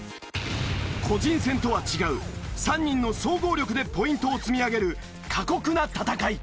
個人戦とは違う３人の総合力でポイントを積み上げる過酷な戦い！